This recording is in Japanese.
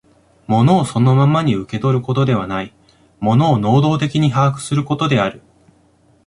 物をそのままに受け取ることではない、物を能働的に把握することである。